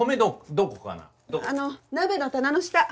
どこ？鍋の棚の下。